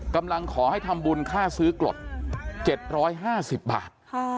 กำลังขอให้ทำบุญค่าซื้อกรด๗๕๐บาท